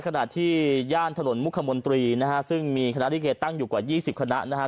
ขณะที่ย่านถนนมุกขมนตรีนะฮะซึ่งมีคณะลิเกตั้งอยู่กว่า๒๐คณะนะฮะ